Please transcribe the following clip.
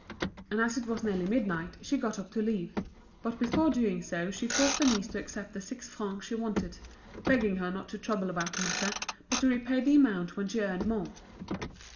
And as it was nearly midnight, she got up to leave. But before doing so she forced Denise to accept the six francs she wanted, begging her not to trouble about the matter, but to repay the amount when she earned more.